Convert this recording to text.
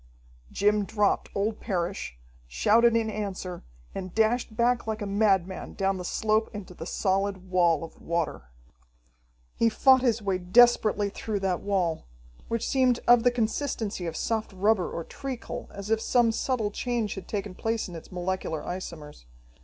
Jim dropped old Parrish, shouted in answer, and dashed back like a madman down the slope into the solid wall of water. He fought his way desperately through that wall, which seemed of the consistency of soft rubber or treacle, as if some subtle change had taken place in its molecular isomers.